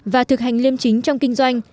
và thực hành liêm chính trong kinh doanh